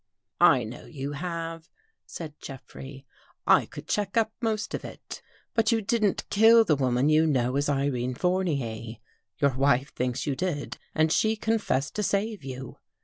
" I know you have," said Jeffrey. " I could check up most of It. But you didn't kill the woman you know as Irene Fournier. Your wife thinks you did and she confessed to save you.